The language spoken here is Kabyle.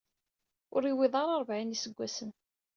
Ur yewwiḍ ara rebɛin iseggasen.